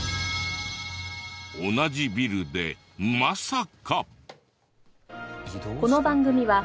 同じビルでまさか。